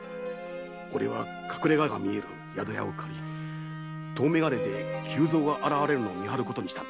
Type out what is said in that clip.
俺は隠れ家が見える宿屋を借り遠眼鏡で久蔵が現れるのを見張ることにした。